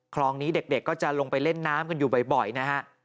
คลองนี้เด็กก็จะลงไปเล่นน้ำกันอยู่บ่อยนะฮะ